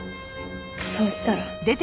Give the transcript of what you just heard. そうしたら。